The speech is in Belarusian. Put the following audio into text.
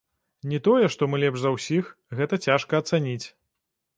Не тое, што мы лепш за ўсіх, гэта цяжка ацаніць.